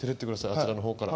あちらの方から。